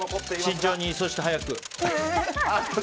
慎重に、そして早く。